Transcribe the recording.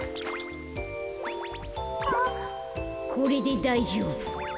これでだいじょうぶ。